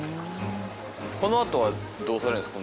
このあとはどうされるんですか？